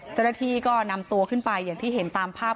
เจ้าหน้าที่ก็นำตัวขึ้นไปอย่างที่เห็นตามภาพ